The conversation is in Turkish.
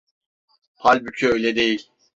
Halbuki öyle değil…